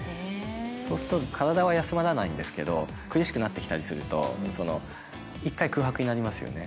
そうすると体は休まらないんですけど、苦しくなってきたりすると、一回空白になりますよね。